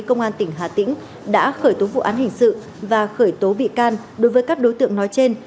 công an tỉnh hà tĩnh đã khởi tố vụ án hình sự và khởi tố bị can đối với các đối tượng nói trên